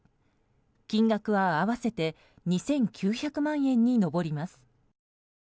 金額は合わせて２９００万円に上ります。